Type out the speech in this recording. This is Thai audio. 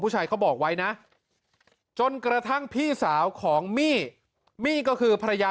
เขาบอกไว้นะจนกระทั่งพี่สาวของมี่มี่ก็คือภรรยา